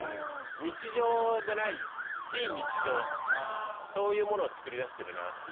日常でない非日常そういうものを作り出してるなっていう気がしますね。